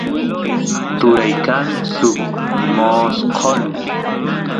turay kan suk mosqolu